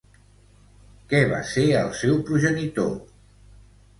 Què va ser el seu progenitor?